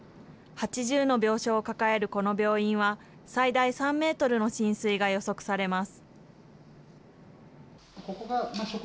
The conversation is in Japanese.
８０の病床を抱えるこの病院は、最大３メートルの浸水が予測されます。